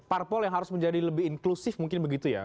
parpol yang harus menjadi lebih inklusif mungkin begitu ya